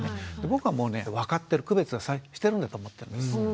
僕はもうね分かってる区別はしてるんだと思ってます。